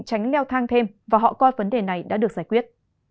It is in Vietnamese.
tránh leo thang thêm và họ coi vấn đề này đã được giải quyết